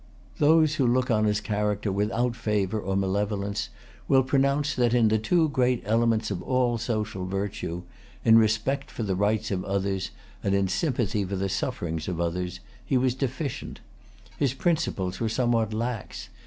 Those who look on his character without favor or malevolence will pronounce that, in the two great elements of all social virtue, in respect for the rights of others, and in sympathy for the sufferings of others, he was deficient. His principles were somewhat lax.